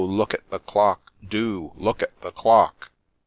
Look at the Clock !— Do !— Look at the Clock